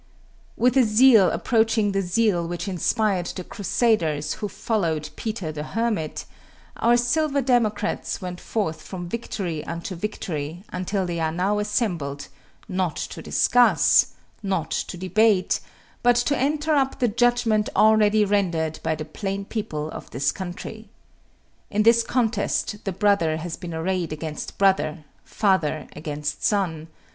With a zeal approaching the zeal which inspired the Crusaders who followed Peter the Hermit, our silver Democrats went forth from victory unto victory until they are now assembled, not to discuss, not to debate, but to enter up the judgment already rendered by the plain people of this country. In this contest brother has been arrayed against brother, father against son.